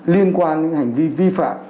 liên quan đến hành vi vi phạm